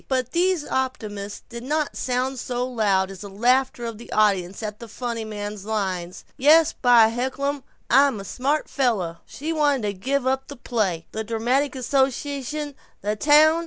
But these optimisms did not sound so loud as the laughter of the audience at the funny man's line, "Yes, by heckelum, I'm a smart fella." She wanted to give up the play, the dramatic association, the town.